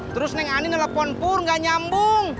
terus neng ani nelfon pur gak nyambung